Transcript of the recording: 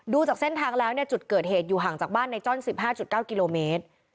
จากเส้นทางแล้วจุดเกิดเหตุอยู่ห่างจากบ้านในจ้อน๑๕๙กิโลเมตร